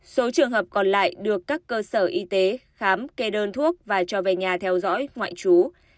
số trường hợp còn lại được các cơ sở y tế khám kê đơn thuốc và cho về nhà theo dõi ngoại trú